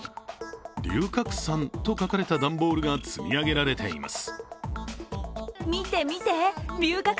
龍角散と書かれた段ボールが積み上げられています。